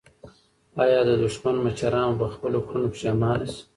آیا د دښمن مشران به په خپلو کړنو پښېمانه شي؟